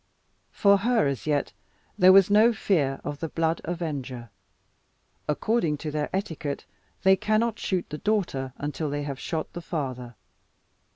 For her as yet there was no fear of the blood avenger. According to their etiquette they cannot shoot the daughter, until they have shot the father.